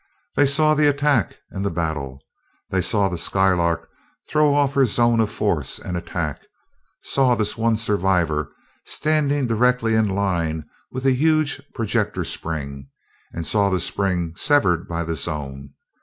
They saw the attack and the battle. They saw the Skylark throw off her zone of force and attack; saw this one survivor standing directly in line with a huge projector spring, and saw the spring severed by the zone.